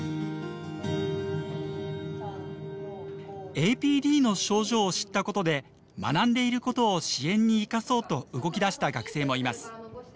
ＡＰＤの症状を知ったことで学んでいることを支援に生かそうと動きだした学生もいます。